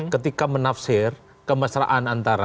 ketika menafsir kemesraan antara